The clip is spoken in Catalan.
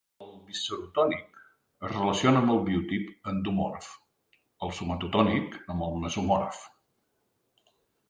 El viscerotònic es relaciona amb el biotip endomorf; el somatotònic, amb el mesomorf.